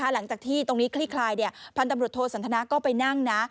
หลังจากที่ตรงนี้คลี่คลายพันธุ์ตำรวจโทสันทนาก็ไปนั่งนะ